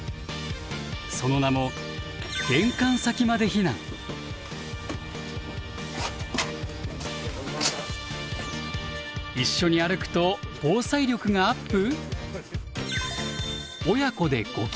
その名も一緒に歩くと防災力がアップ？